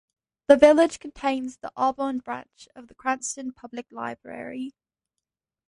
The village contains the Auburn Branch of the Cranston Public Library.